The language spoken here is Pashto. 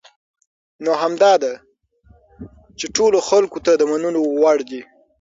نو همدا ده چې ټولو خلکو ته د منلو وړ دي .